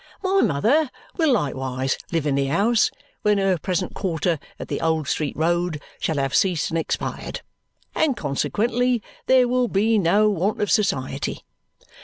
"My mother will likewise live in the 'ouse when her present quarter in the Old Street Road shall have ceased and expired; and consequently there will be no want of society.